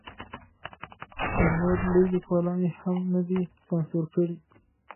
نو نور لوی لیکوالان یې هم نه دي سانسور کړي.